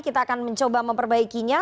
kita akan mencoba memperbaikinya